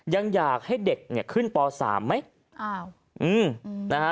ยังอยากให้เด็กเนี่ยขึ้นปสามไหมอ้าวอืมนะฮะ